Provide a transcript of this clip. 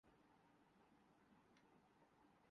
میرا خیال ہے کہ اپنی سی کوشش تو بہر حال لازم ہے۔